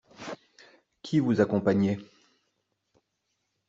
Qui vous accompagnait ?